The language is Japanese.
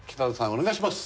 お願いします。